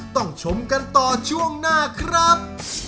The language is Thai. ต้องชมกันต่อช่วงหน้าครับ